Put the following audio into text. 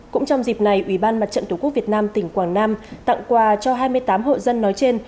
cũng trong dịp này ủy ban mặt trận tổ quốc việt nam tỉnh quảng nam tặng quà cho hai mươi tám hộ dân nói trên